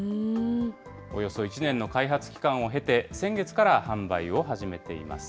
およそ１年の開発期間を経て、先月から販売を始めています。